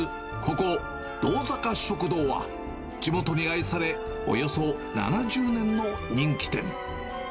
ここ、動坂食堂は、地元で愛され、およそ７０年の人気店。